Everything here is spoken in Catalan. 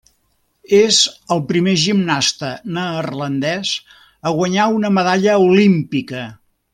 És el primer gimnasta neerlandès a guanyar una medalla olímpica.